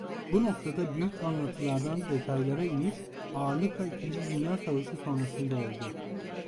Bu noktada büyük anlatılardan detaylara iniş ağırlıkla ikinci Dünya Savaşı sonrasında oldu.